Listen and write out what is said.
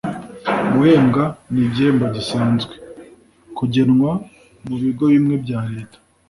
guhembwa nigihembo gisanzwe - kugenwa mubigo bimwe bya leta